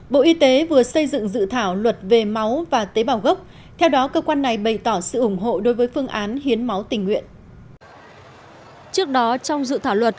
bộ y tế vừa xây dựng dự thảo luật về máu và tế bảo gốc theo đó cơ quan này bày tỏ sự ủng hộ đối với phương án hiến máu tình nguyện